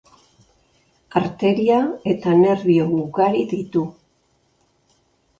Arteria eta nerbio ugari ditu.